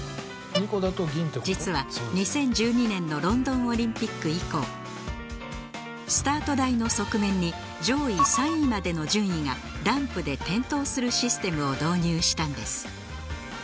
実は２０１２年のロンドンオリンピック以降スタート台の側面に上位３位までの順位がランプで点灯するシステムを導入したんです